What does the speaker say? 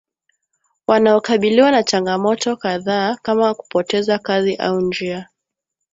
wanaokabiliwa na changamoto kadhaa kama kupoteza kazi au njia